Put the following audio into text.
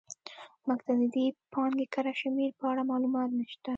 موږ ته د دې پانګې کره شمېر په اړه معلومات نه شته.